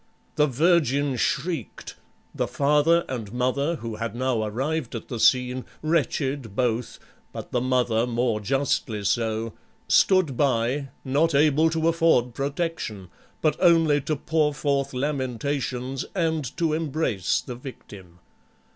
The virgin shrieked, the father and mother who had now arrived at the scene, wretched both, but the mother more justly so, stood by, not able to afford protection, but only to pour forth lamentations and to embrace the victim.